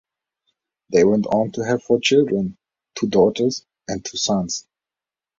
They went on to have four children-two daughters and two sons.